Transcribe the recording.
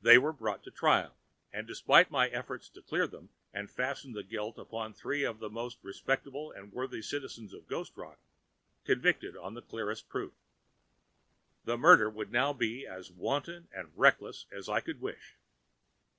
They were brought to trial and, despite my efforts to clear them and fasten the guilt upon three of the most respectable and worthy citizens of Ghost Rock, convicted on the clearest proof. The murder would now be as wanton and reasonless as I could wish.